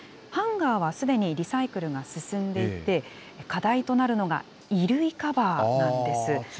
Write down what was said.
ハンガーはすでにリサイクルが進んでいて、課題となるのが、衣類カバーなんです。